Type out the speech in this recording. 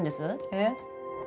えっ？